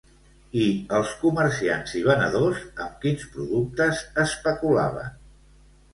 I els comerciants i venedors amb quins productes especulaven?